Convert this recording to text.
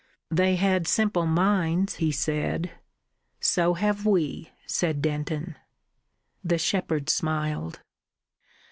"They had simple minds," he said. "So have we," said Denton. The shepherd smiled.